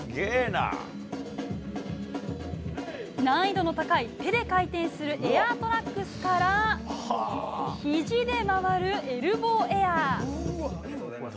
難易度の高い手で回転するエアートラックスからひじで回るエルボーエアー。